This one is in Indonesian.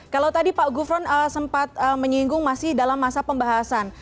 kalau tadi pak gufron sempat menyinggung masih dalam masa pembahasan